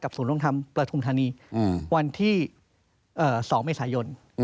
กับศูนย์โรงทำประทุมธนีย์วันที่๒เมษายน